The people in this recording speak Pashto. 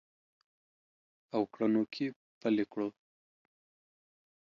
او کړنو کې پلي کړو